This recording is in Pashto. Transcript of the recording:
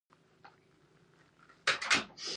دوکاندار د رزق دروازې نه بندوي.